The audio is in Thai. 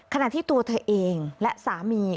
ขณะที่ตัวเธอเองและสามี